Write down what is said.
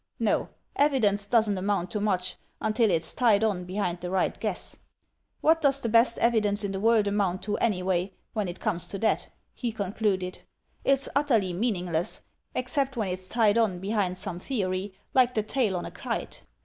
No, evidence doesn't amount to much until it's tied on behind the right guess. "What does the best evidence in the world amount to, anyway, when it comes to that?" he concluded. "It's utterly meaningless, except when it's tied on behind some theory, like the tail on a kite.